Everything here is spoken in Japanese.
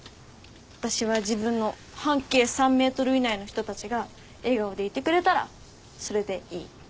私は自分の半径３ｍ以内の人たちが笑顔でいてくれたらそれでいい。